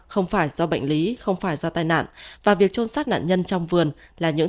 không phải do bệnh lý không phải do tai nạn và việc trôn sát nạn nhân trong vườn là những